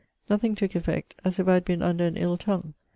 Nothing tooke effect, as if I had been under an ill tongue.